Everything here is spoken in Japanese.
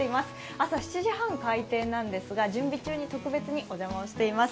朝７時半開店なんですが、準備中に特別にお邪魔しています。